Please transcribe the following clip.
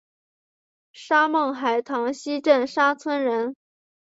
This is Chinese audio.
沙孟海塘溪镇沙村人。